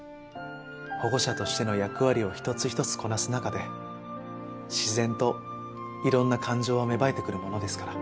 保護者としての役割を一つ一つこなす中で自然といろんな感情は芽生えてくるものですから。